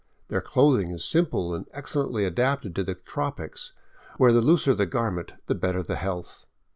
Their clothing is simple and excellently adapted to the tropics, where the looser the gar ment the better the health.